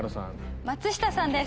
松下さんです。